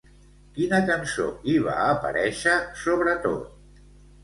Quina cançó hi va aparèixer sobretot?